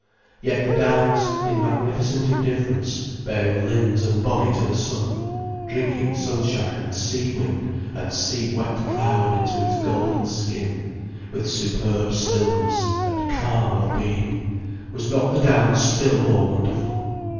Yet the downs, in magnificent indifference, bearing limbs and body to the sun, drinking sunshine and sea wind and sea wet cloud into its golden skin, with superb stillness and calm of being, was not the downs still more wonderful?